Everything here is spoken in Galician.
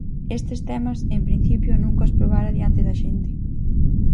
Estes temas, en principio, nunca os probara diante da xente.